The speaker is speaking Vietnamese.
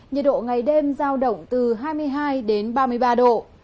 nhiệt độ ngày đêm giao động từ hai mươi hai đến ba mươi ba độ